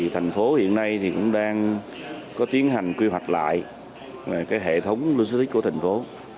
thành phố hiện nay thì cũng đang có tiến hành quy hoạch lại cái hệ thống logistics của thành phố